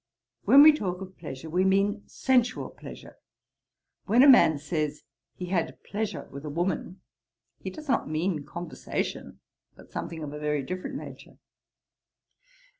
'When we talk of pleasure, we mean sensual pleasure. When a man says, he had pleasure with a woman, he does not mean conversation, but something of a very different nature.